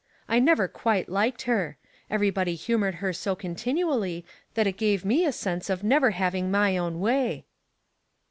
I never quite liked her. Everybody humored her so continually that it gave me a sense of never having my own way."